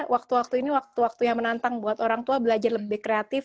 waktu waktu ini waktu waktu yang menantang buat orang tua belajar lebih kreatif